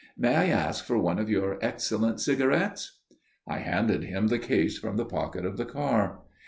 May I ask for one of your excellent cigarettes?" I handed him the case from the pocket of the car.